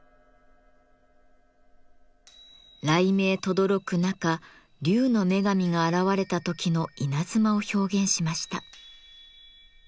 雷鳴とどろく中竜の女神が現れた時の稲妻を表現しました。